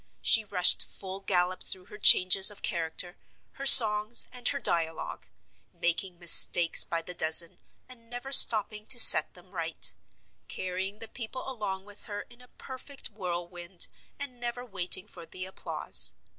She rushed full gallop through her changes of character, her songs, and her dialogue; making mistakes by the dozen, and never stopping to set them right; carrying the people along with her in a perfect whirlwind, and never waiting for the applause.